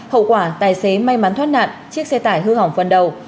hậu quả tài xế may mắn thoát nạn chiếc xe tải hư hỏng phần đầu